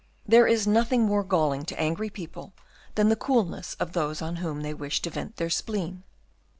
There is nothing more galling to angry people than the coolness of those on whom they wish to vent their spleen.